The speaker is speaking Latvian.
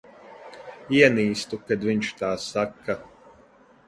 Ienīstu, kad viņš tā saka.